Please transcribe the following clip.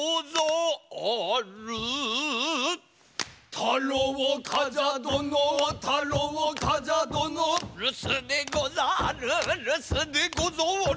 「太郎冠者殿は太郎冠者殿」「留守でござる留守でござる」